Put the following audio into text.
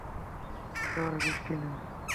এ বছর একেবারে বৃষ্টি নাই।